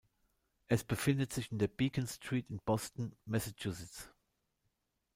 Es befindet sich in der Beacon Street in Boston, Massachusetts.